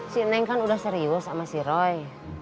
si neng kan udah serius sama si roy